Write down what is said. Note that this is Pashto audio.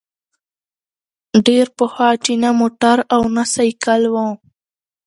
ډېر پخوا چي نه موټر او نه سایکل وو